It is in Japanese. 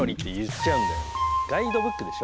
ガイドブックでしょ？